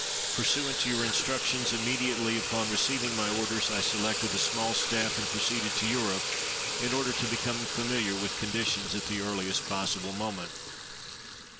Pursuant to your instructions, immediately upon receiving my orders I selected a small staff and proceeded to Europe in order to become familiar with conditions at the earliest possible moment.